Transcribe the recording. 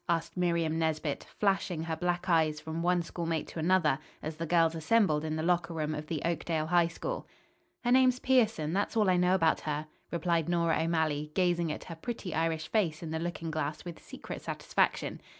asked Miriam Nesbit, flashing her black eyes from one schoolmate to another, as the girls assembled in the locker room of the Oakdale High School. "Her name is Pierson; that is all I know about her," replied Nora O'Malley, gazing at her pretty Irish face in the looking glass with secret satisfaction.